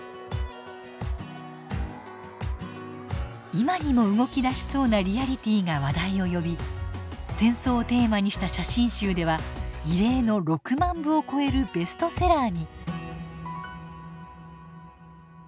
今にも動きだしそうなリアリティーが話題を呼び戦争をテーマにした写真集では異例の６万部を超えるベストセラーに。